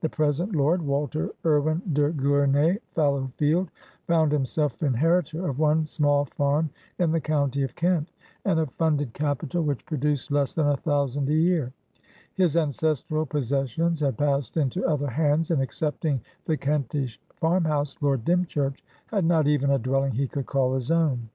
The present lordWalter Erwin de Gournay Fallowfieldfound himself inheritor of one small farm in the county of Kent, and of funded capital which produced less than a thousand a year; his ancestral possessions had passed into other hands, and, excepting the Kentish farm house, Lord Dymchurch had not even a dwelling he could call his own.